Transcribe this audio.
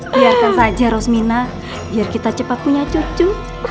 biarkan saja rosmina biar kita cepat punya cucu